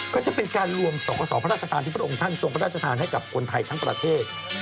ก็จะเป็นการรวมสกสอพระราชทานที่พระองค์ท่านทรงพระราชทานให้กับคนไทยทั้งประเทศ